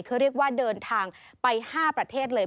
เขาเรียกว่าเดินทางไป๕ประเทศเลย